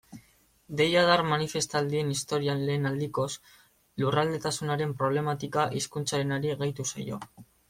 Deiadar manifestaldien historian lehen aldikoz, lurraldetasunaren problematika hizkuntzarenari gehitu zaio.